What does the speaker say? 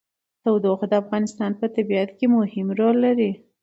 تودوخه د افغانستان په طبیعت کې مهم رول لري.